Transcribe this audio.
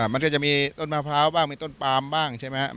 มันก็จะมีต้นมะพร้าวบ้างมีต้นปามบ้างใช่ไหมครับ